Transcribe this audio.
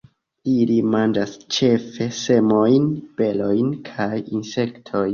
Ili manĝas ĉefe semojn, berojn kaj insektojn.